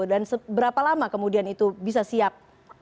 dan seberapa lama kemudian itu bisa siap